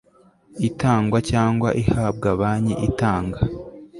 itangwa cyangwa ihabwa banki itanga